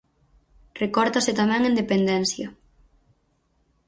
Recórtase tamén en dependencia.